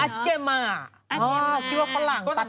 อาเจมมา